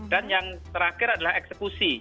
dan yang terakhir adalah eksekusi